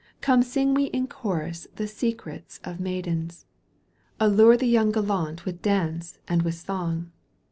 Come sing we in chorus The secrets of maidens. АПиге the young gallant With dance and with song.